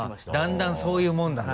だんだんそういうもんだと。